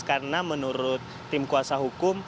karena menurut tim kuasa hukum